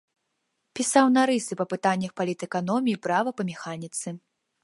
Пісаў нарысы па пытаннях палітэканоміі, права, па механіцы.